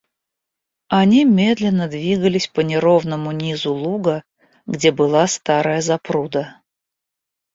Они медленно двигались по неровному низу луга, где была старая запруда.